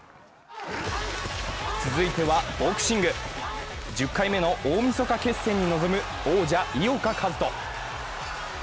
続いてはボクシング、１０回目の大みそか決戦に臨む、王者・井岡一翔。